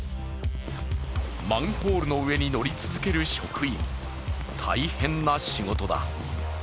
マンホールの上に乗り続ける職員、大変な仕事だ。